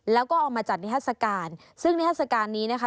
แล้วก็เอามาจัดนิทัศกาลซึ่งนิทัศกาลนี้นะคะ